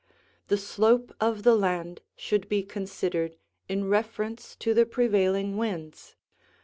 The slope of the land should be considered in reference to the prevailing winds.